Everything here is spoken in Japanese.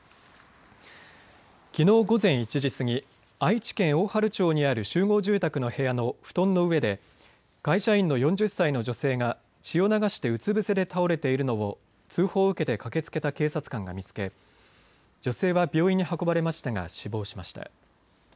きのう午前１時過ぎ、愛知県大治町にある集合住宅の部屋の布団の上で会社員の４０歳の女性が血を流してうつ伏せで倒れているのを通報を受けて駆けつけた警察官が見つけ、女性は病院に運ばれましたが死亡しました。